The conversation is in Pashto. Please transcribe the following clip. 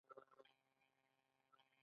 دوی به د پوستکو په جوړولو هم بوخت وو.